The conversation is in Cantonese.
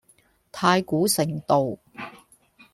太古城道